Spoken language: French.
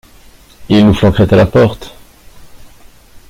Ils nous flanqueraient à la porte !…